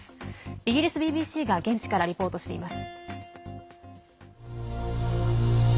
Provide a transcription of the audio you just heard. イギリスＢＢＣが現地からリポートしています。